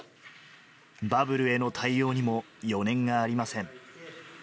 バブルへの対応にも余念がありません。